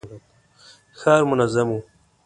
ښار منظم و.